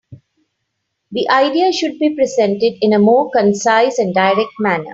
The ideas should be presented in a more concise and direct manner.